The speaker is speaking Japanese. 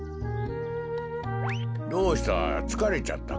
どうした？